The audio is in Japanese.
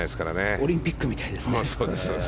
オリンピックみたいですね。